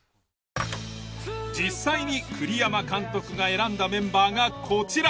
実際に栗山監督が選んだメンバーがこちら。